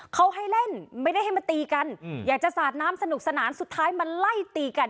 เขาให้เล่นไม่ได้ให้มาตีกันอยากจะสาดน้ำสนุกสนานสุดท้ายมาไล่ตีกัน